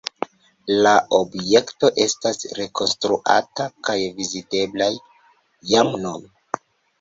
La objekto estas rekonstruata kaj vizitebla jam nun.